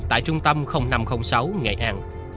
tại trung tâm năm trăm linh sáu nghệ an